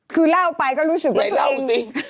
คือเล่าไปก็รู้สึกว่าตัวเองไหนเล่าสิ